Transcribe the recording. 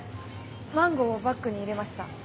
マンゴーをバッグに入れました。